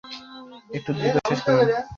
একটু দ্রুত শেষ করুন।